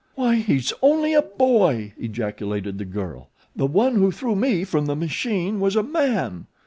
"Why he's only a boy," ejaculated the girl. "The one who threw me from the machine was a man."